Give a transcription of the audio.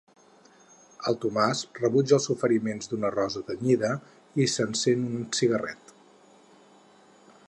El Tomàs rebutja els oferiments d'una rossa tenyida i s'encén un cigarret.